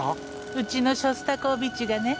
うちのショスタコーヴィチがね。